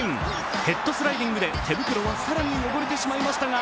ヘッドスライディングで手袋は更に汚れてしまいましたが